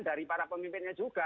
dari pemimpinnya juga